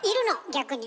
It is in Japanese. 逆に。